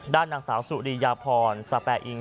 ด้านนางสาวสุริยาพรสแปอิง